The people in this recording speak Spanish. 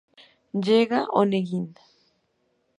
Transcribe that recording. Llega Oneguin.